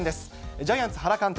ジャイアンツ、原監督。